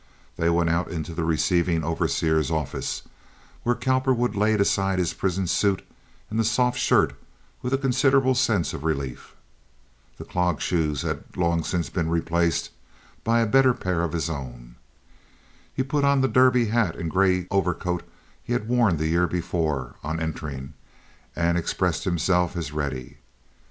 They went out into the receiving overseer's office, where Cowperwood laid aside his prison suit and the soft shirt with a considerable sense of relief. The clog shoes had long since been replaced by a better pair of his own. He put on the derby hat and gray overcoat he had worn the year before, on entering, and expressed himself as ready.